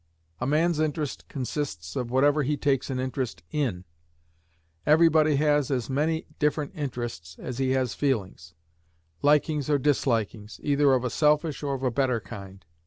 A man's interest consists of whatever he takes an interest in. Every body has as many different interests as he has feelings; likings or dislikings, either of a selfish or of a better kind.